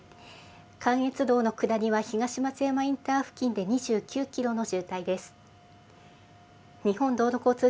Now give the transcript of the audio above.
関越道の下りは、東松山インター付近で２９キロの渋滞です。